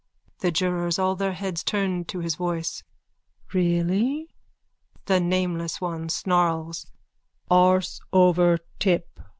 THE JURORS: (All their heads turned to his voice.) Really? THE NAMELESS ONE: (Snarls.) Arse over tip.